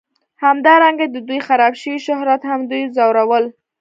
همدارنګه د دوی خراب شوي شهرت هم دوی ځورول